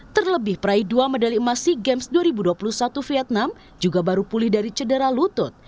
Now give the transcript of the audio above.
terlebih peraih dua medali emas sea games dua ribu dua puluh satu vietnam juga baru pulih dari cedera lutut